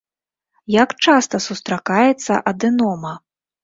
Як часта сустракаецца адэнома?